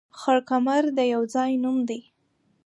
خړ کمر د يو ځاى نوم دى